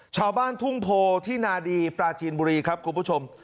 ชาวบ้านทุ่งโพที่นาดีปราจีนบุรีครับคุณผู้ชม